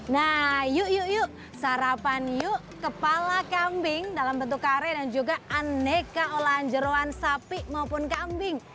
nah yuk yuk sarapan yuk kepala kambing dalam bentuk kare dan juga aneka olahan jeruan sapi maupun kambing